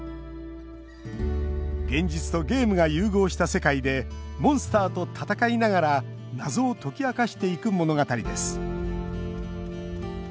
現実とゲームが融合した世界でモンスターと戦いながら謎を解き明かしていく物語です。